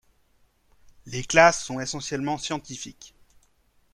Les classes sont essentiellement scientifiques.